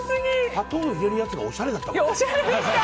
砂糖を入れるやつがおしゃれだったもんね。